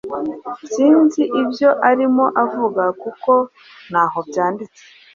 sinzi ibyo arimo avuga kuko ntaho byanditse